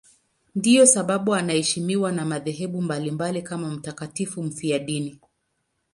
Ndiyo sababu anaheshimiwa na madhehebu mbalimbali kama mtakatifu mfiadini.